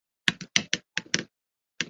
汉高祖刘邦曾在秦时担任泗水亭亭长。